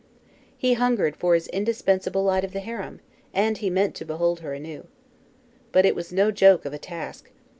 He hungered for his indispensable light of the harem! and he meant to behold her anew. But it was no joke of a task.